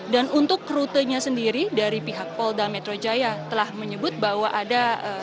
dan untuk rutenya sendiri dari pihak polda metro jaya telah menyebut bahwa ada